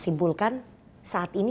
simpulkan saat ini